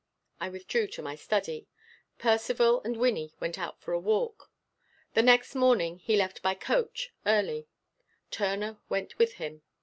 I withdrew to my study. Percivale and Wynnie went out for a walk. The next morning he left by the coach early. Turner went with him.